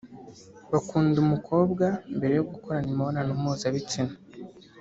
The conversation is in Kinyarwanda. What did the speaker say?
bakunda umukobwa mbere yo gukorana imibonano mpuzabitsina